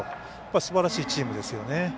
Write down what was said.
すばらしいチームですよね。